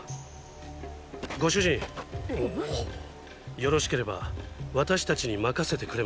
よろしければ私たちに任せてくれませんか？